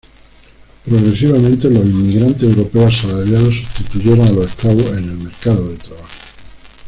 Progresivamente, los inmigrantes europeos asalariados sustituyeron a los esclavos en el mercado de trabajo.